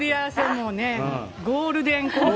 もうね、ゴールデンコンビ。